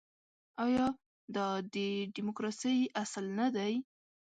آیا دا د ډیموکراسۍ اصل نه دی؟